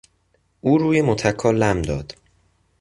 او روی متکا لم داد.